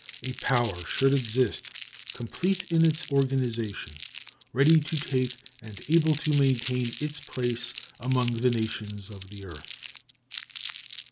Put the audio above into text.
A power should exist complete in its organization, ready to take and able to maintain its place among the nations of the earth.